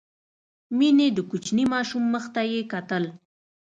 مينې د کوچني ماشوم مخ ته يې کتل.